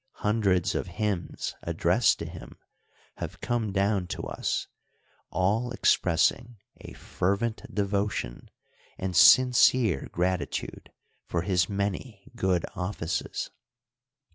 Hun dreds of hymns addressed to. him have come down to us, all expressing a fervent devotion and sincere gratitude for his many good offices.